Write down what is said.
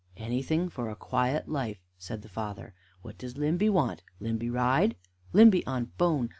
"Anything for a quiet life," said the father. "What does Limby want? Limby ride?" "Limby on bone!